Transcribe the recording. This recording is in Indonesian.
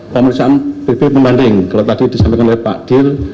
pemisahan bp pembanding kalau tadi disampaikan oleh pak dhir